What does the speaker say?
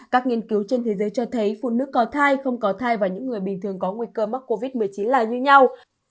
các nghiên cứu trên thế giới cho thấy phụ nữ có thai không có thai và những người bình thường có nguy cơ mắc covid một mươi chín là như nhau